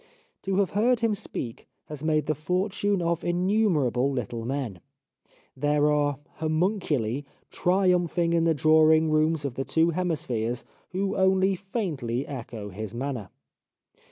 To have heard him speak has made the fortune of in numerable little men. There are homunculi triumphing in the drawing rooms of the two hemispheres, who only faintly echo his manner.